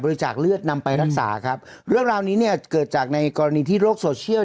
จากเลือดนำไปรักษาครับเรื่องราวนี้เนี่ยเกิดจากในกรณีที่โลกโซเชียล